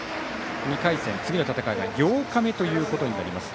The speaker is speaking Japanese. ２回戦、次の戦いは８日目となります。